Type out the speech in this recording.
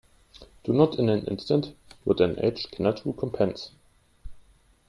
Do not in an instant what an age cannot recompense.